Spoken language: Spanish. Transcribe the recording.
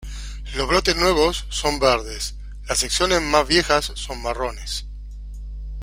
Los brotes nuevos son verdes, las secciones más viejas son marrones.